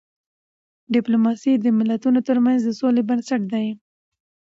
ډيپلوماسی د ملتونو ترمنځ د سولې بنسټ دی.